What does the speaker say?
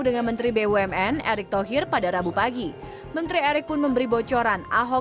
dengan menteri bumn erick thohir pada rabu pagi menteri erick pun memberi bocoran ahok